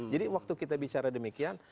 jadi waktu kita bicara demikian